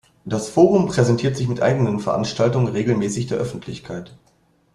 Das Forum präsentiert sich mit eigenen Veranstaltungen regelmäßig der Öffentlichkeit.